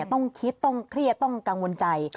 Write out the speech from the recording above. ต้องคิดต้องเครียดต้องกังวลใจ